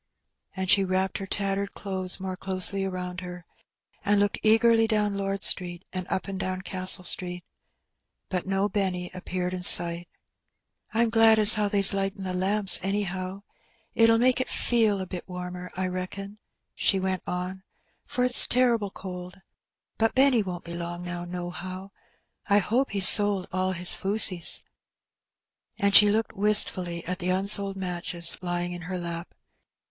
And she wrapped her tattered clothes more closely around her, and looked eagerly down Lord Street and up and down Castle Street. But no Benny appeared in sight. " Pm glad as how they's lightin' the lamps, anyhow. It'll make it feel a bit warmer, I reckon/' she went on, "for it's terrible cold. But Benny won't be long now, nohow. I hope he's sold all his fusees." And she looked wistfully at the unsold matches lying in her lap.